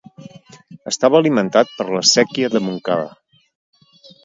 Estava alimentat per la séquia de Montcada.